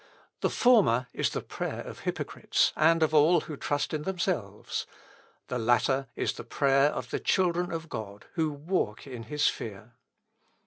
The former is the prayer of hypocrites, and of all who trust in themselves. The latter is the prayer of the children of God, who walk in his fear."